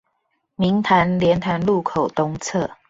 明潭蓮潭路口東側